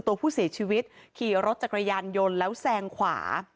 ตัวผู้เสียชีวิตขี่รถจักรยานยนต์แล้วแซงขวา